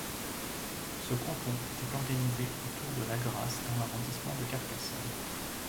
Ce canton était organisé autour de Lagrasse dans l'arrondissement de Carcassonne.